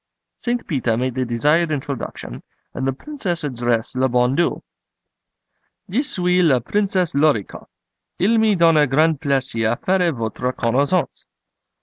St. Peter made the desired introduction, and the Princess addressed le Bon Dieu: 'Je suis la Princesse Lor i koff. Il me donne grand plaisir à faire votre connaissance.